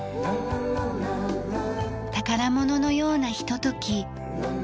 宝物のようなひととき。